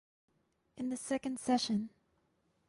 In the second session.